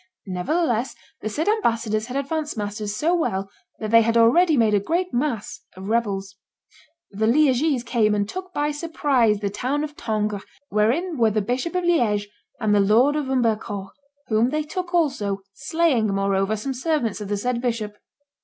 Nevertheless, the said ambassadors had advanced matters so well that they had already made a great mass (of rebels). The Liegese came and took by surprise the town of Tongres, wherein were the Bishop of Liege and the Lord of Humbercourt, whom they took also, slaying, moreover, some servants of the said bishop."